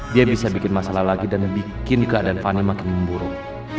dia bisa bikin masalah lagi dan bikin keadaan fani makin memburuk